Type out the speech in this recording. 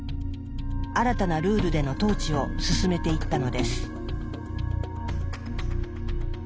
新たなルールでの統治を進めていったのです。